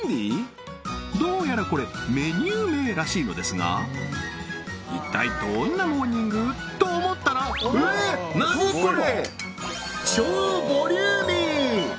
どうやらこれメニュー名らしいのですが一体どんなモーニング？と思ったらええっ何これ！